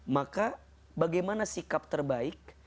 maka bagaimana sikap terbaik